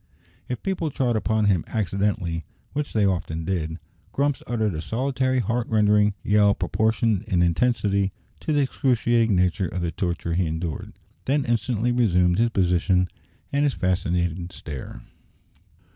If people trod upon him accidentally, which they often did, Grumps uttered a solitary heart rending yell proportioned in intensity to the excruciating nature of the torture he endured, then instantly resumed his position and his fascinated stare.